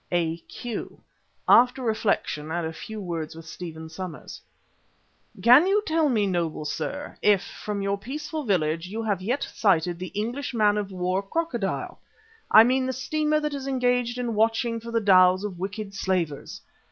A.Q., after reflection and a few words with Stephen Somers: "Can you tell me, noble sir, if from your peaceful village you have yet sighted the English man of war, Crocodile; I mean the steamer that is engaged in watching for the dhows of wicked slavers?